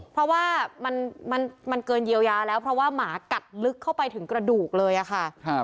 เพราะว่ามันเกินเยียวยาแล้วเพราะว่าหมากัดลึกเข้าไปถึงกระดูกเลยค่ะ